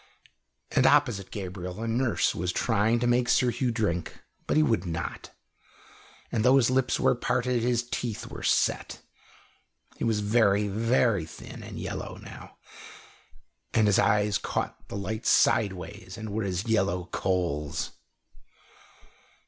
And opposite Gabriel, a nurse was trying to make Sir Hugh drink. But he would not, and though his lips were parted, his teeth were set. He was very, very thin and yellow now, and his eyes caught the light sideways and were as yellow coals.